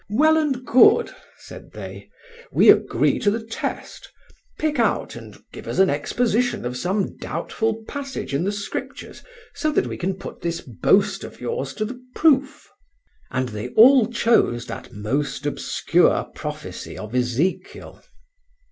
"Well and good," said they; "we agree to the test. Pick out and give us an exposition of some doubtful passage in the Scriptures, so that we can put this boast of yours to the proof." And they all chose that most obscure prophecy of Ezekiel.